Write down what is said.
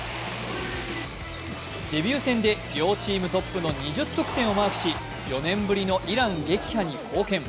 デビュー戦で両チームトップの２０得点をマークし４年ぶりのイラン撃破に貢献。